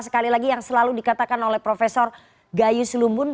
sekali lagi yang selalu dikatakan oleh prof gayus lumbun